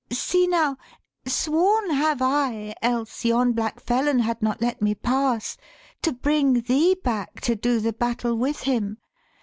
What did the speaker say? See now, sworn have I, Else yon black felon had not let me pass, To bring thee back to do the battle with him.